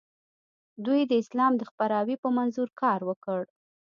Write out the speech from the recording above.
دوی د اسلام د خپراوي په منظور کار وکړ.